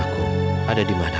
itu untukmu forluck